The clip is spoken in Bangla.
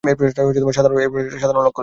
এই প্রচেষ্টার সাধারণ লক্ষ্য রয়েছে।